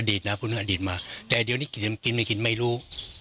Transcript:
นะพูดถึงอดีตมาแต่เดี๋ยวนี้กินไม่กินไม่รู้